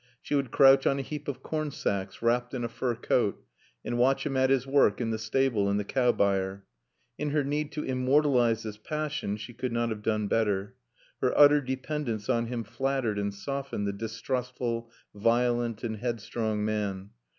She would crouch on a heap of corn sacks, wrapped in a fur coat, and watch him at his work in the stable and the cow byre. In her need to immortalise this passion she could not have done better. Her utter dependence on him flattered and softened the distrustful, violent and headstrong man.